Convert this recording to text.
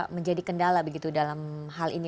menjadi kendala begitu dalam hal ini